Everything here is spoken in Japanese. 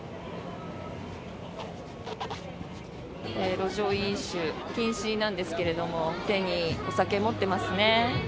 路上飲酒禁止なんですが手にお酒を持ってますね。